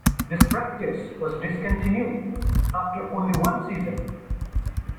This practice was discontinued after only one season.